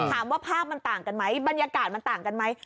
ภาพมันต่างกันไหมบรรยากาศมันต่างกันไหม